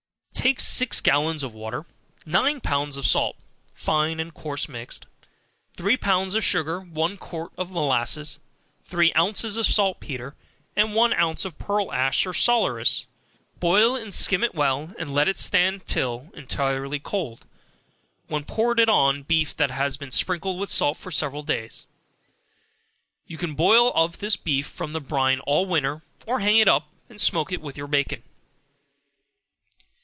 Take six gallons of water, nine pounds of salt, (fine and coarse mixed,) three pounds of sugar, one quart of molasses, three ounces of saltpetre, and one ounce of pearl ash or salaeratus, boil and skim it well, and let it stand till entirely cold, when pour it on beef that has been sprinkled with salt for several days. You can boil of this beef from the brine all winter, or hang it up, and smoke it with your bacon.